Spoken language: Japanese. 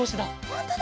ほんとだ。